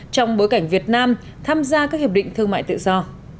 trong bối cảnh việt nam tham gia các hiệp định thương mại tự do